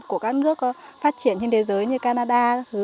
của các nước phát triển trên thế giới như canada